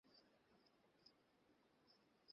শাসন করার জন্য দুটোই লাগে, ভয়ও দেখাতে হয়, জয়ও দেখাতে হয়।